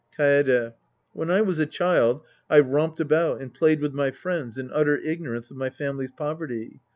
Kaede. When I was a child, I romped about and played with my friends in utter ignorance of my family's poverty.